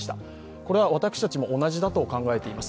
これは私たちも同じだと考えています。